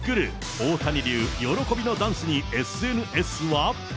大谷流喜びのダンスに、ＳＮＳは。